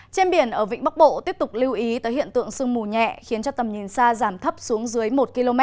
trên biển ở vịnh bắc bộ tiếp tục lưu ý tới hiện tượng sương mù nhẹ khiến cho tầm nhìn xa giảm thấp xuống dưới một km